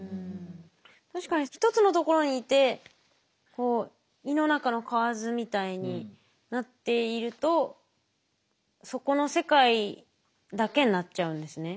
確かに一つの所にいて「井の中の蛙」みたいになっているとそこの世界だけになっちゃうんですね。